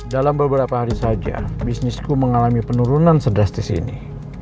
dalam beberapa hari saja bisnisku mengalami penurunan sedestis ini